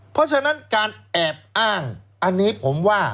เพราะฉะนั้นการแอบอ้างอันนี้ผมว่า